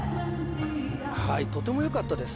はいとてもよかったです